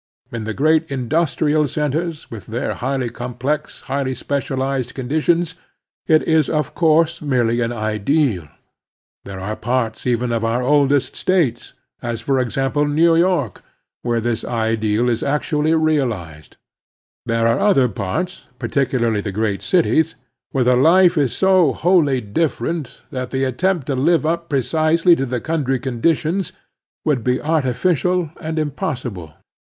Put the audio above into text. In the great industrial centers, with their highly com plex, highly specialized conditions, it is of course merely an ideal. There are parts even of our oldest States, as, for example, New York, where this ideal is actually realized; there are other parts, particularly the great cities, where the life is so wholly different that the attempt to live up precisely to the country conditions would be arti ficial and impossible.